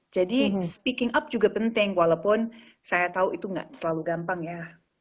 jadi speaking up juga penting walaupun saya tahu itu gak selalu gampang ya